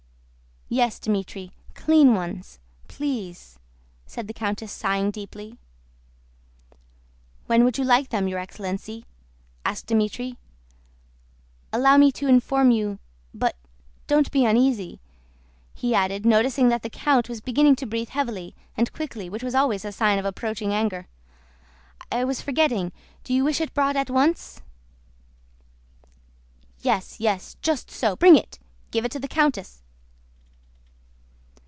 "Yes, Dmítri, clean ones, please," said the countess, sighing deeply. "When would you like them, your excellency?" asked Dmítri. "Allow me to inform you... But, don't be uneasy," he added, noticing that the count was beginning to breathe heavily and quickly which was always a sign of approaching anger. "I was forgetting... Do you wish it brought at once?" "Yes, yes; just so! Bring it. Give it to the countess."